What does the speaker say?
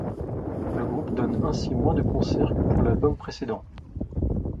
Le groupe donne ainsi moins de concerts que pour l'album précédent.